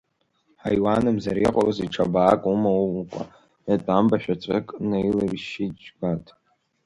Ҳаиуанымзар иҟоузеи, ҽабаак умоукәа, иатәамбашәа ҵәык налаиршьшьит Џьгәаҭ.